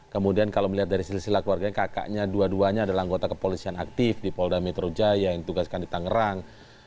kemudian kalau melihat dari sisi sila keluarganya kakaknya dua duanya adalah anggota kepolisian aktif di polda metro jaya yang ditugaskan di tangerang